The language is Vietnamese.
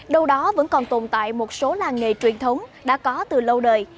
đâu đó vẫn còn tồn tại một số làng nghề truyền thống đã có từ lâu đời